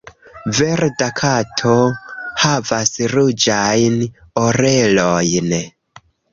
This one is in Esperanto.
Verda Kato havas ruĝajn orelojn.